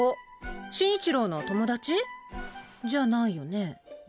眞一郎の友達？じゃないよね。